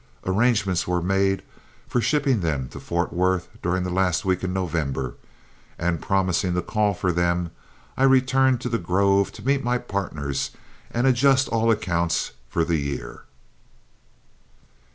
Arrangements were made for shipping them to Fort Worth during the last week in November, and promising to call for them, I returned to The Grove to meet my partners and adjust all accounts for the year.